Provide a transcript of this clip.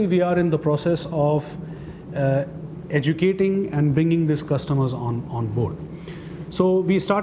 jadi sekarang kami sedang berusaha mengajari dan membawa pelanggan ini kembali